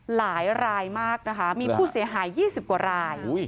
หลายรายมากนะคะมีผู้เสียหาย๒๐กว่าราย